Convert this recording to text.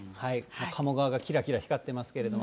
鴨川がきらきら光っていますけれども。